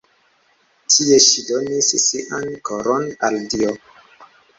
Tie ŝi donis sian koron al Dio.